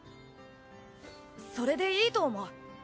それでいいと思う。